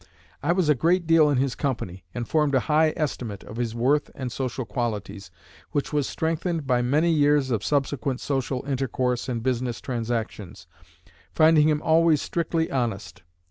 I was a great deal in his company, and formed a high estimate of his worth and social qualities, which was strengthened by many years of subsequent social intercourse and business transactions, finding him always strictly honest.